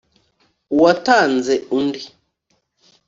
Uwatanze undi